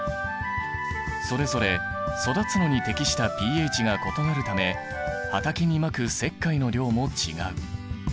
それぞれ育つのに適したｐＨが異なるため畑にまく石灰の量も違う。